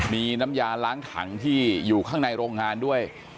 มีน้ำยาล้างถังที่อยู่ข้างในโรงงานด้วย